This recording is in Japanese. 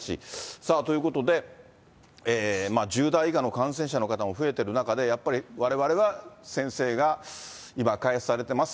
さあ、ということで１０代以下の感染者の方も増えてる中で、やっぱりわれわれは先生が今、開発されてます